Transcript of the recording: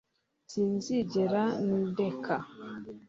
Sinzigera ndeka